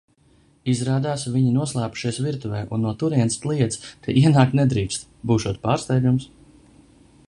Izrādās, viņi noslēpušies virtuvē un no turienes kliedz, ka ienākt nedrīkst, būšot pārsteigums.